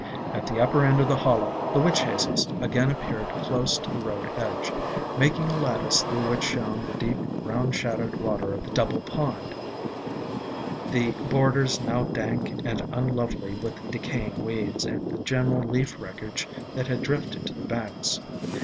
At the upper end of the Hollow, the Witch Hazels again appeared close to the road edge, making a lattice through which shone the deep, brown shadowed water of the double pond, the borders now dank and unlovely with decaying reeds, weeds, and the general leaf wreckage that had drifted to the banks.